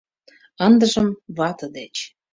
Ындыжым — вате деч.